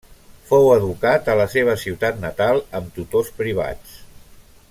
Fou educat a la seva ciutat natal amb tutors privats.